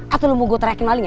atau lo mau gue teriakin lagi ya